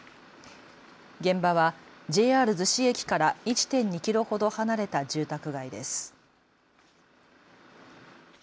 現場はＪＲ逗子駅から１．２キロほど離れた住宅街です。